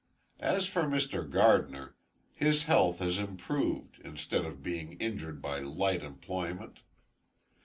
As for Mr. Gardiner, his health has improved, instead of being injured by light employment.